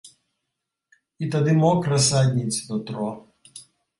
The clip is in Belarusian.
І тады мокра садніць нутро.